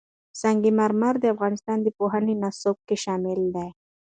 سنگ مرمر د افغانستان د پوهنې نصاب کې شامل دي.